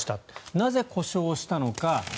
なぜ、故障したのか。